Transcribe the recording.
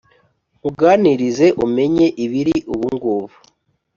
Nkuganirize umenye ibiri ubungubu